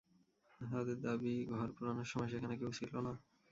তাদের দাবি ঘর পোড়ানোর সময় সেখানে কেউ ছিল না।